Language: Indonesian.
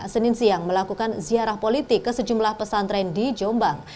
senin siang melakukan ziarah politik ke sejumlah pesantren di jombang